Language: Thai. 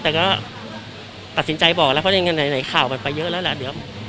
แต่ก็ตัดสินใจบอกแล้วเพราะในไหนข่าวก็ไปเยอะแล้ว